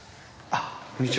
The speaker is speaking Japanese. こんにちは。